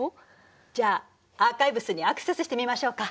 じゃあアーカイブスにアクセスしてみましょうか。